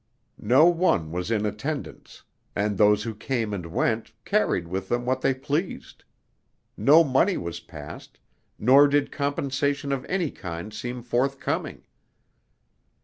No one was in attendance; and those who came and went, carried with them what they pleased. No money was passed, nor did compensation of any kind seem forthcoming.